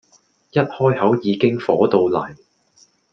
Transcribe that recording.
一開口已經火到黎